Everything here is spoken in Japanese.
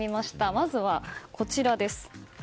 まずは、こちらです。